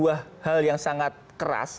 sebuah hal yang sangat keras